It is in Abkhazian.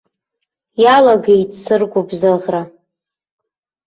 Иалагеит сыргәыбзыӷра.